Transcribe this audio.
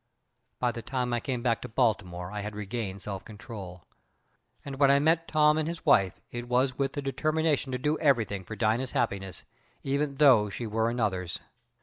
"By the time I came back to Baltimore I had regained self control, and when I met Tom and his wife it was with the determination to do everything for Dina's happiness, even though she were another's.